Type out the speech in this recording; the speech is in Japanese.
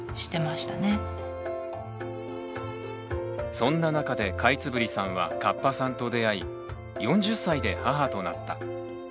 そんな中でカイツブリさんはカッパさんと出会い４０歳で母となった。